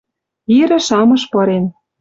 Ирӹ шамыш пырен: